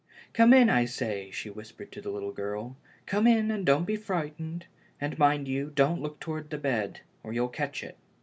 "Come in, I say," she Avhispered to the little girl, "come in, and don't be frightened. And, mind you, don't look towards the bed, or you'll catch it."